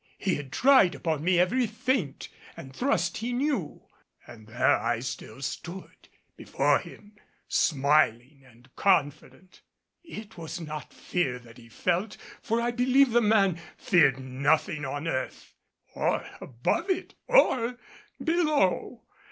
He had tried upon me every feint and thrust he knew, and there I still stood before him smiling and confident. It was not fear that he felt, for I believe the man feared nothing on earth or above it or below.